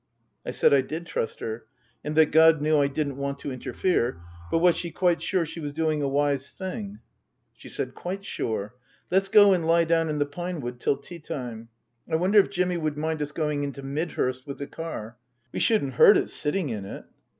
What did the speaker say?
I said I did trust her, and that God knew I didn't want to interfere, but was she quite sure she was doing a wise thing ? She said, " Quite sure. Let's go and lie down in the pine wood till tea time. I wonder if Jimmy would mind us going into Midhurst with the car. We shouldn't hurt it, sitting in it."